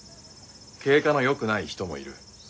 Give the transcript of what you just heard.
経過のよくない人もいる。